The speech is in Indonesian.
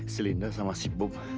selinda sama si bum